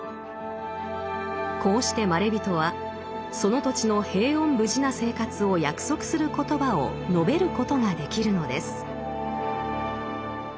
こうしてまれびとはその土地の平穏無事な生活を約束する言葉を述べることができるのです。